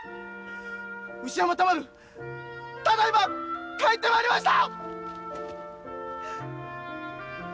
牛山田丸ただいま帰ってまいりました！